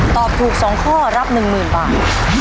ตอบถูกสองข้อรับหนึ่งหมื่นบาท